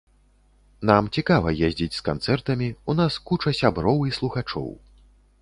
Нам цікава ездзіць з канцэртамі, у нас куча сяброў і слухачоў.